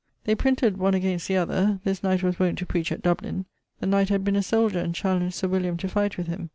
They printed one against the other: this knight was wont to preach at Dublin. The knight had been a soldier, and challenged Sir William to fight with him.